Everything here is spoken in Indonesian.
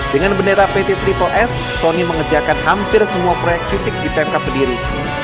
dengan bendera pt triple s sony mengerjakan hampir semua proyek fisik di pemkap pendiri